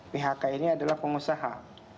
bhk ini adalah pengusaha